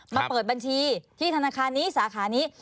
มาเปิดบัญชีที่ธนาคารนี้สาขานี้